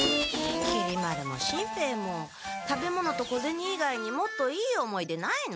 きり丸もしんべヱも食べ物と小ゼニ以外にもっといい思い出ないの？